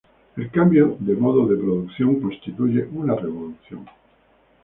El cambio de modo de producción constituye una revolución.